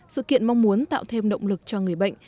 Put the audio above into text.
sự kiện mong muốn tạo thêm động lực cho người bệnh